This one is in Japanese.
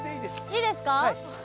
いいですか？